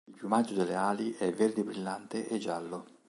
Il piumaggio delle ali è verde brillante e giallo.